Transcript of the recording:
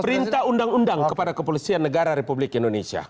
perintah undang undang kepada kepolisian negara republik indonesia